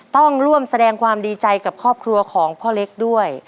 ต้องร่วมแสดงความดีใจกับครอบครัวของพ่อเล็กด้วย